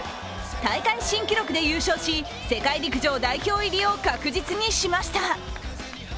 大会新記録で優勝し、世界陸上代表入りを確実にしました。